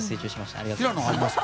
ありがとうございます。